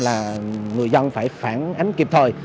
là người dân phải phản ánh kịp thời